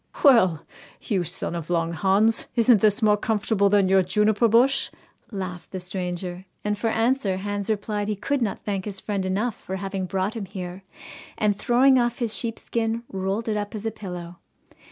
'Well! you son of Long Hans, isn't this more comfortable than your juniper bush?' laughed the stranger, and for answer Hans replied he could not thank his friend enough for having brought him here, and, throwing off his sheepskin, rolled it up as a pillow.